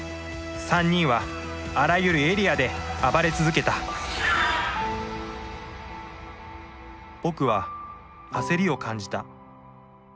３人はあらゆるエリアで暴れ続けた僕は焦りを感じた。